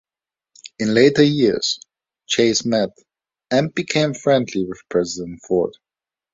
In later years, Chase met and became friendly with President Ford.